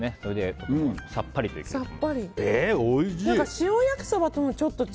さっぱりといけます。